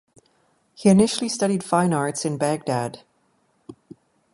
He initially studied fine arts in Baghdad.